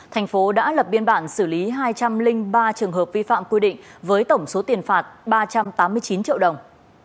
thành phố đã lập biên bản xử lý hai trăm linh ba trường hợp vi phạm quy định với tổng số tiền phạt ba trăm tám mươi chín triệu đồng